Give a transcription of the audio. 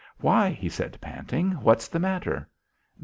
"Why," he said panting, "what's the matter?"